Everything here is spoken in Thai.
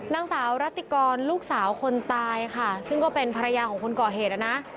นางสาวรัติกรลูกสาวคนตายค่ะซึ่งก็เป็นภรรยาของคนก่อเหตุนะ